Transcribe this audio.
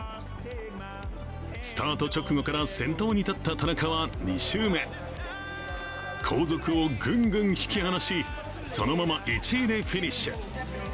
スタート直後から先頭に立った田中は２周目、後続をグングン引き離し、そのまま１位でフィニッシュ。